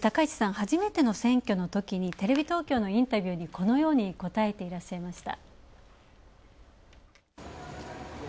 はじめての選挙のときにテレビ東京のインタビューにこのように答えていらっしゃいました。